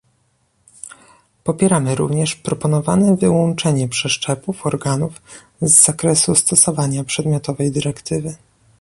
Popieramy również proponowane wyłączenie przeszczepów organów z zakresu stosowania przedmiotowej dyrektywy